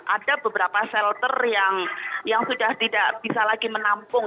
ada beberapa shelter yang sudah tidak bisa lagi menampung